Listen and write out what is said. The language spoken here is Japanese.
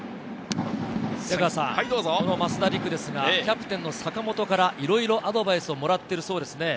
キャプテンの坂本からいろいろアドバイスをもらっているそうです。